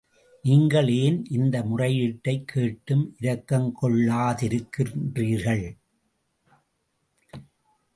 நீங்கள் ஏன் இந்த முறையீட்டைக் கேட்டும் இரக்கங் கொள்ளா திருக்கின்றீர்கள்?